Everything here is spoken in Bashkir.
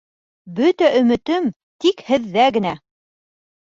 — Бөтә өмөтөм тик һеҙҙә генә.